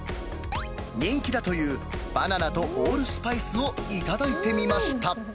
人気だという、バナナとオールスパイスを頂いてみました。